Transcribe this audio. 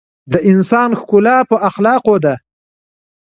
د انسان ښکلا په اخلاقو ده.